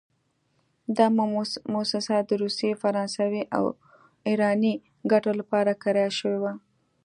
دا موسسه د روسي، فرانسوي او ایراني ګټو لپاره کرایه شوې وه.